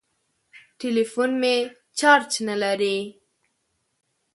ټليفون مې چارچ نه لري.